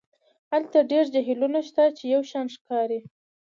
هلته ډیر جهیلونه شته چې یو شان ښکاري